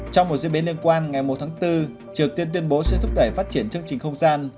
trong một diễn biến liên quan ngày một tháng bốn triều tiên tuyên bố sẽ thúc đẩy phát triển chương trình không gian